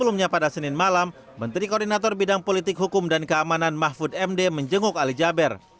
menteri koordinator bidang politik hukum dan keamanan mahfud md menjenguk ali jaber